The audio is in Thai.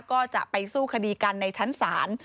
ก็จะไปสู้คดีกันในชั้นศาล